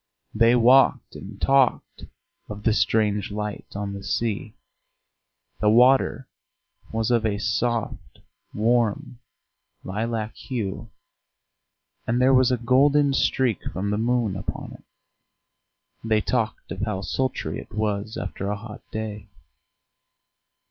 They walked and talked of the strange light on the sea: the water was of a soft warm lilac hue, and there was a golden streak from the moon upon it. They talked of how sultry it was after a hot day.